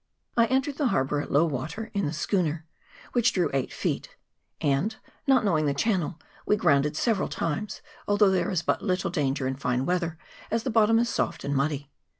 I entered the harbour at low water, in the schooner, which drew eight feet, and, not knowing the channel, we grounded several times, although there is but little danger in fine weather, as the bottom is soft and muddy.